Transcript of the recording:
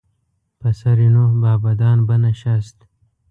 پسر نوح با بدان بنشست.